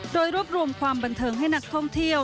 โดยรวบรวมความบันเทิงให้นักท่องเที่ยว